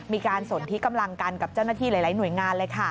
สนที่กำลังกันกับเจ้าหน้าที่หลายหน่วยงานเลยค่ะ